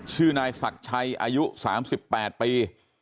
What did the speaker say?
ชื่อนายศักดิ์ชัยอายุ๓๘ปี